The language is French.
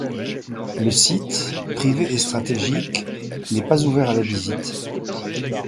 Le site, privé et stratégique, n'est pas ouvert à la visite.